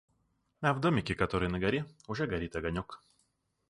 А в домике, который на горе, уже горит огонёк.